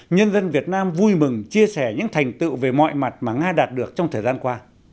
nhân dân việt nam vui mừng chia sẻ những thành tựu về mọi mặt mà nga đạt được trong thời gian qua